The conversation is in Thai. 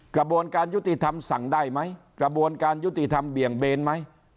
กระบวนการยุติธรรมสั่งได้ไหมกระบวนการยุติธรรมเบี่ยงเบนไหม